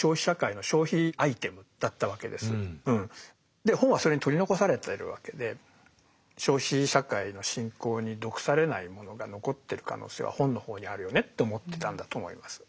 で本はそれに取り残されてるわけで消費社会の進行に毒されないものが残ってる可能性は本の方にあるよねと思ってたんだと思います。